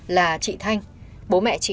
là chị thanh bố mẹ chị